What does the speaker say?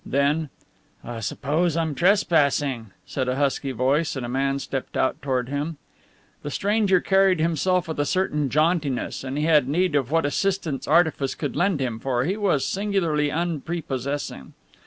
Then: "I suppose I'm trespassing," said a husky voice, and a man stepped out toward him. The stranger carried himself with a certain jauntiness, and he had need of what assistance artifice could lend him, for he was singularly unprepossessing.